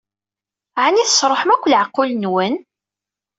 Ɛni tesṛuḥem akk leɛqul-nwen?